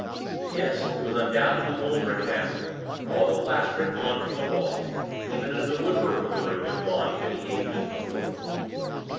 Yes, it was undoubtedly mouldering now. All the plaster had gone from the walls; even as the woodwork of the room had gone, many ages before.